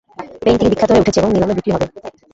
Painting বিখ্যাত হয়ে উঠেছে, এবং নিলামে বিক্রি হবে।